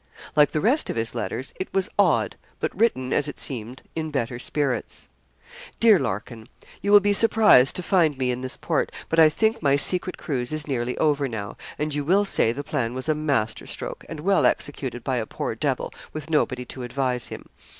Like the rest of his letters it was odd, but written, as it seemed, in better spirits. 'Dear Larkin, You will be surprised to find me in this port, but I think my secret cruise is nearly over now, and you will say the plan was a master stroke, and well executed by a poor devil, with nobody to advise him.